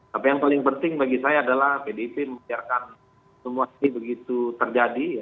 tapi yang paling penting bagi saya adalah pdip membiarkan semua ini begitu terjadi